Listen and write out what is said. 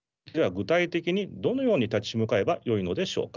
具体的にどのように立ち向かえばよいのでしょうか。